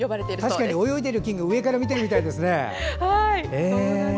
確かに泳いでる金魚を上から見てるみたいですね。